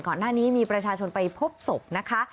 ก่อนหน้านี้มีประชาชนไปพบศพนะคะ